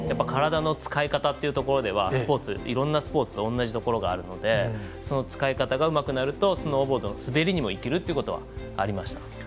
体の使い方っていうところではいろんなスポーツ同じところがあるので使い方がうまくなるとスノーボードの滑りにもいけるということはありました。